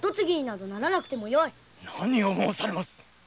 何を申されます。